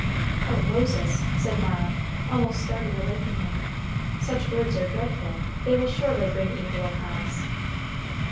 "Oh, Moses!" said Mara, almost starting away from him, "such words are dreadful; they will surely bring evil upon us."